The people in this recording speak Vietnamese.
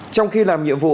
trong khi làm nhiệm vụ